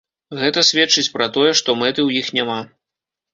Гэта сведчыць пра тое, што мэты ў іх няма.